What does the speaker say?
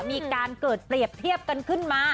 มีการเกิดเปรียบเทียบกันขึ้นมา